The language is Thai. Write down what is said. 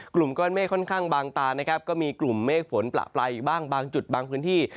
กลุ่มก้อนเมฆค่อนข้างบางตานะครับก็มีกลุ่มเมฆฝนประปรายอยู่บ้างบางจุดบางพื้นที่